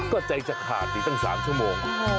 ก็ใจจะขาดอีกตั้ง๓ชั่วโมง